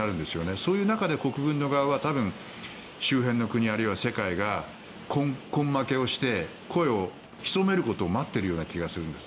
その中で国軍側は多分、周辺の国あるいは世界が根負けをして声を潜めることを待っているような気がするんです。